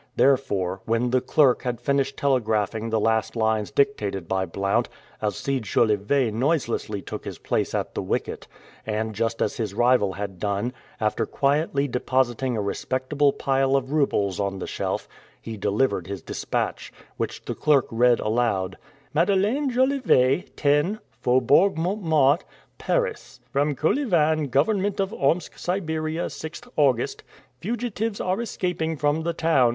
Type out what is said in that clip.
Therefore, when the clerk had finished telegraphing the last lines dictated by Blount, Alcide Jolivet noiselessly took his place at the wicket, and, just as his rival had done, after quietly depositing a respectable pile of roubles on the shelf, he delivered his dispatch, which the clerk read aloud: "Madeleine Jolivet, 10, Faubourg Montmartre, Paris. "From Kolyvan, Government of Omsk, Siberia, 6th August. "Fugitives are escaping from the town.